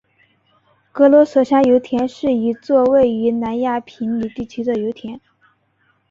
格罗索山油田是一处位于南亚平宁地区的油田。